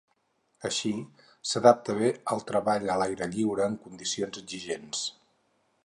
Així, s'adapta bé al treball a l'aire lliure en condicions exigents.